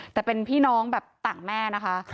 แต่เป็นพี่น้องแบบต่างแม่นะคะ